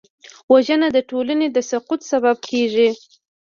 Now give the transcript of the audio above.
وژنه د ټولنې د سقوط سبب کېږي